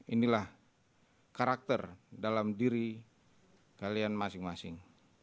inilah karakter dalam diri kalian masing masing